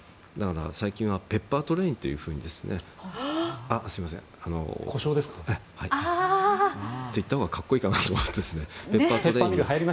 最近はペッパートレインというふうにこしょうですか。と言ったほうが格好いいかなと思って。